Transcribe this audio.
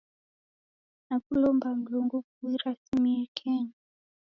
Nakulomba Mlungu kuirasimie Kenya.